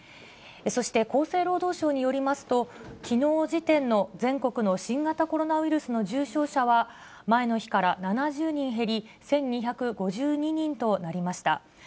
そして厚生労働省によりますと、きのう時点の全国の新型コロナウイルスの重症者は、前の日から７０人減り、１２５２人となりました。